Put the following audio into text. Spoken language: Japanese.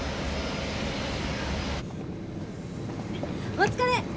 お疲れ！